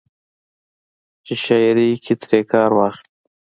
چې شاعرۍ کښې ترې کار واخلي